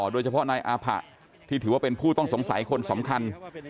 โดยเฉพาะนายอาผะที่ถือว่าเป็นผู้ต้องสงสัยคนสำคัญ